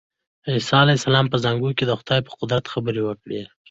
عیسی علیه السلام په زانګو کې د خدای په قدرت خبرې وکړې.